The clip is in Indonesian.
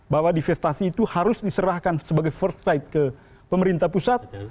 bahwa divestasi itu harus diserahkan sebagai first fight ke pemerintah pusat